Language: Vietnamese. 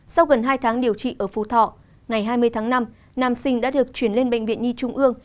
sau gần hai tháng điều trị ở phú thọ ngày hai mươi tháng năm nam sinh đã được chuyển lên bệnh viện nhi trung ương